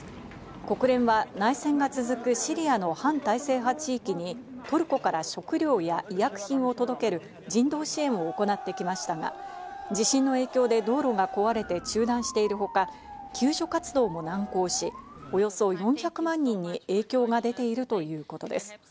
国連は内戦が続くシリアの反体制派地域にトルコから食料や医薬品を届ける人道支援を行ってきましたが、地震の影響で道路が壊れて中断しているほか、救助活動も難航し、およそ４００万人に影響が出ているということです。